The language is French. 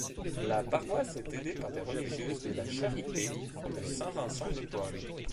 La paroisse est aidée par des religieuses de la Charité de Saint-Vincent-de-Paul.